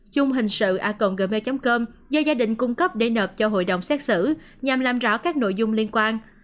chung hình sự a gmail com do gia đình cung cấp để nợp cho hội đồng xét xử nhằm làm rõ các nội dung liên quan